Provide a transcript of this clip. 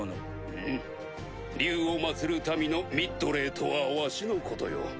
うむ竜を祀る民のミッドレイとはわしのことよ。